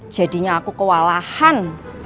jadinya aku kewalahan